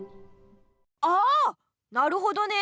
ああなるほどね！